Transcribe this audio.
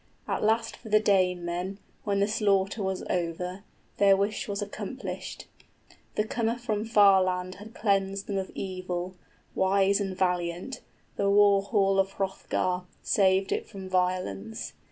At last for the Danemen, When the slaughter was over, their wish was accomplished. The comer from far land had cleansed then of evil, 35 Wise and valiant, the war hall of Hrothgar, Saved it from violence.